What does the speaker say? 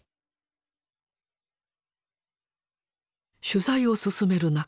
取材を進める中